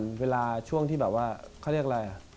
เวลาช่วงที่แบบว่าเขาเรียกอะไร